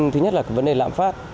thứ nhất là vấn đề lãm phát